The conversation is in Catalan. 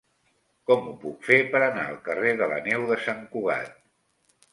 Com ho puc fer per anar al carrer de la Neu de Sant Cugat?